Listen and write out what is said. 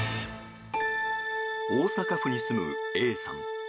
大阪府に住むＡさん。